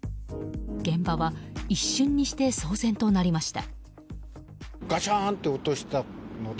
現場は一瞬にして騒然となりました。